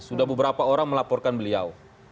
sudah beberapa orang melaporkan beliau